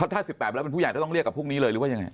ถ้า๑๘แล้วเป็นผู้ใหญ่ถ้าต้องเรียกกับพวกนี้เลยหรือว่ายังไง